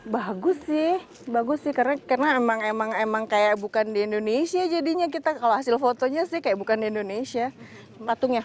bagus sih karena emang emang kayak bukan di indonesia jadinya kita kalau hasil fotonya sih kayak bukan di indonesia